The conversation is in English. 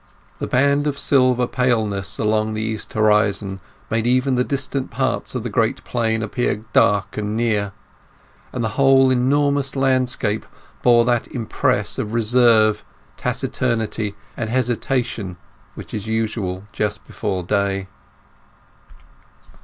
The band of silver paleness along the east horizon made even the distant parts of the Great Plain appear dark and near; and the whole enormous landscape bore that impress of reserve, taciturnity, and hesitation which is usual just before day.